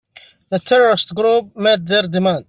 The terrorist group made their demand.